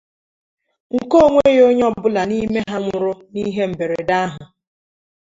nke na o nweghị onye ọbụla n'ime ha nwụrụ n'ihe mberede ahụ